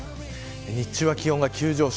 日中は気温が急上昇。